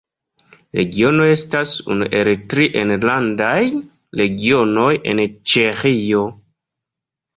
Regiono estas unu el tri enlandaj Regionoj en Ĉeĥio.